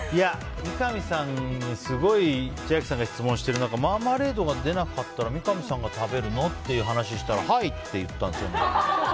三上さんにすごい千秋さんが質問しててマーマレードが出なかったら三上さんが食べるの？っていう話したらはいって言ったんですよね。